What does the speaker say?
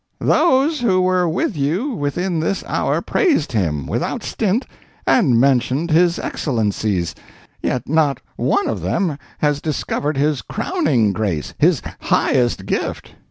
Those who were with you within this hour praised him without stint and mentioned his excellencies—yet not one of them has discovered his crowning grace—his highest gift.